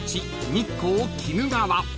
日光・鬼怒川］